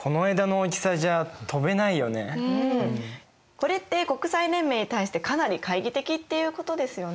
これって国際連盟に対してかなり懐疑的っていうことですよね。